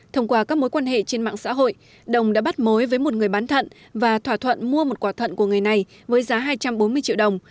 thông qua các mối quan hệ trên mạng xã hội đồng đã bắt mối với một người bán thận và thỏa thuận mua một quả thận của người này với giá hai trăm bốn mươi triệu đồng